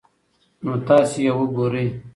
نو تاسي ئې وګورئ